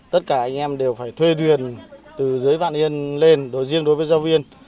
tất cả anh em đều phải thuê đuyền từ giới vạn yên lên đối riêng đối với giáo viên